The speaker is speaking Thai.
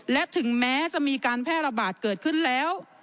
และถึงแม้จะมีการแพร่ระบาดเกิดขึ้นแล้ว